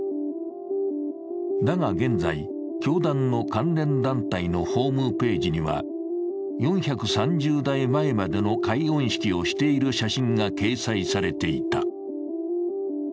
だが現在、教団の関連団体のホームページには４３０代前までの解怨式をしている写真が掲載されていた。